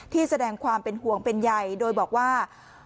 แสดงความเป็นห่วงเป็นใหญ่โดยบอกว่า